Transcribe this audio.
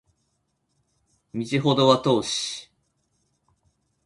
道程は遠し